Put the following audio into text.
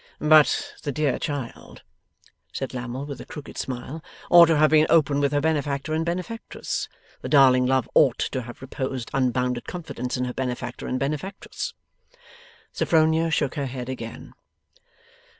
'But the dear child,' said Lammle, with a crooked smile, 'ought to have been open with her benefactor and benefactress. The darling love ought to have reposed unbounded confidence in her benefactor and benefactress.' Sophronia shook her head again.